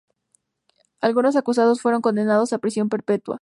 Algunos acusados fueron condenados a prisión perpetua.